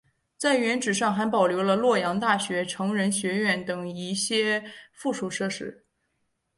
在原址上还保留了洛阳大学成人学院等一些附属设施。